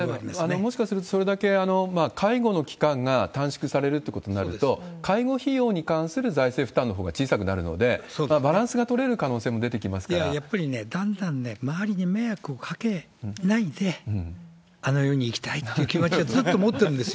もしかすると、それだけ介護の期間が短縮されるってことになると、介護費用に関する財政負担のほうが小さくなるので、バランスが取れる可能性もやっぱりね、だんだんね、周りに迷惑をかけないで、あの世に行きたいっていう気持ちはずっと持ってるんですよ。